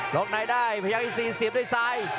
ล็อกไหนได้พยักอีสีเสียบด้วยซ้าย